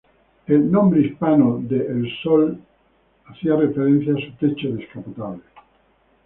El nombre hispano de ‘del Sol’ hacia referencia a su techo descapotable.